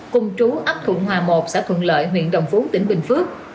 cùng chú ấp thuận hòa một xã thuận lợi huyện đồng phú tỉnh bình phước